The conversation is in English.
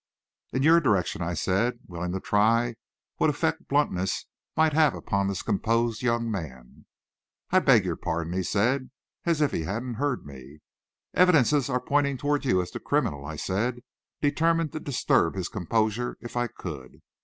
"In your direction," I said, willing to try what effect bluntness might have upon this composed young man. "I beg your pardon?" he said, as if he hadn't heard me. "Evidences are pointing toward you as the criminal," I said, determined to disturb his composure if I could.